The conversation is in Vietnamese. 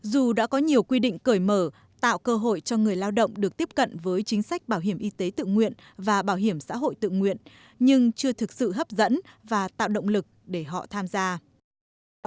dù đã có nhiều quy định cởi mở tạo cơ hội cho người lao động được tiếp cận với chính sách bảo hiểm y tế tự nguyện và bảo hiểm xã hội tự nguyện nhưng chưa thực sự hấp dẫn và tạo động lực để họ tham gia